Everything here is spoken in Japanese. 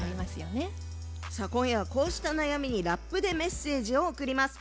今夜は、こうした悩みにラップでメッセージを送ります。